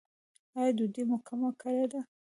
ایا ډوډۍ مو کمه کړې ده؟